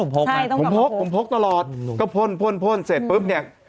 พกไหมผมพกผมพกตลอดก็พ่นพ่นพ่นเสร็จปุ๊บเนี่ย